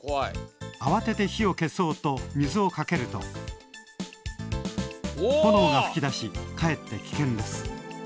あわてて火を消そうと水をかけると炎がふき出しかえって危険です。